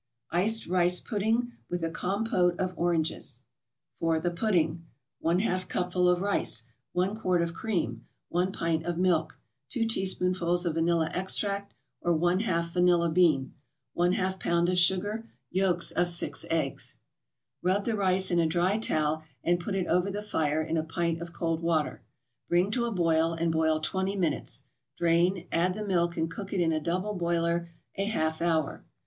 ICED RICE PUDDING WITH A COMPOTE OF ORANGES FOR THE PUDDING 1/2 cupful of rice 1 quart of cream 1 pint of milk 2 teaspoonfuls of vanilla extract or 1/2 vanilla bean 1/2 pound of sugar Yolks of six eggs Rub the rice in a dry towel, and put it over the fire in a pint of cold water. Bring to a boil and boil twenty minutes; drain, add the milk and cook it in a double boiler a half hour.